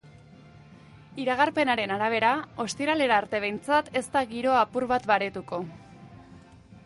Iragarpenaren arabera, ostiralera arte behintzat ez da giroa apur bat baretuko.